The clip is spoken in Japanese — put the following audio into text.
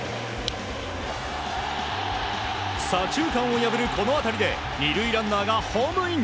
左中間を破るこの当たりで２塁ランナーがホームイン！